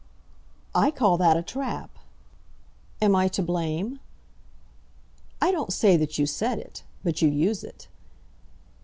"I call that a trap." "Am I to blame?" "I don't say that you set it, but you use it."